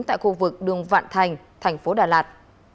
tại khu vực đường vạn thành thành phố đà lạt